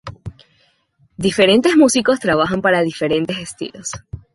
Diferentes músicos trabajan para diferentes estilos.